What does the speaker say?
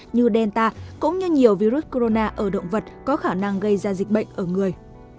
như delta cũng như nhiều virus corona ở động vật có khả năng gây ra dịch bệnh ở người